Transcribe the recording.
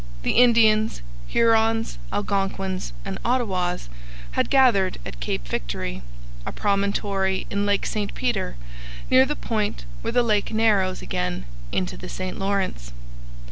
The Indians Hurons, Algonquins, and Ottawas had gathered at Cape Victory, a promontory in Lake St Peter near the point where the lake narrows again into the St Lawrence.